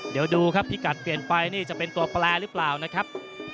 เดี๋ยวดูครับพิกัดเปลี่ยนไปนี่จะเป็นตัวแปลหรือเปล่านะครับ